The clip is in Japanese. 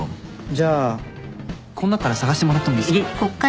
じゃあこん中から探してもらってもいいっすか？